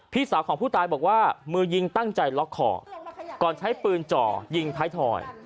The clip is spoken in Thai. พี่สาวของผู้ตายบอกว่ามือยิงตั้งใจล็อกคอก่อนใช้ปืนจ่อยิงท้ายถอย